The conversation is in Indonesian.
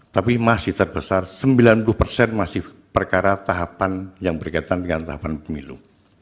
tapi masih terbesar sembilan puluh persen masih perkara tahapan yang berkaitan dengan tahapan pemilu